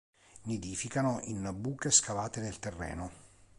Nidificano in buche scavate nel terreno.